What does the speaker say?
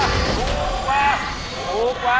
ถูกกว่าถูกกว่า